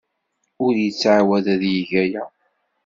Ur yettɛawad ad yeg aya.